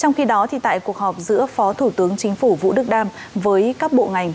trong khi đó tại cuộc họp giữa phó thủ tướng chính phủ vũ đức đam với các bộ ngành